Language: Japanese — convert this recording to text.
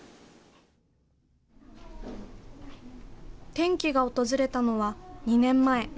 転機が訪れたのは２年前。